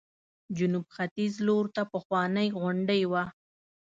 جنوب ختیځ لورته پخوانۍ غونډۍ وه.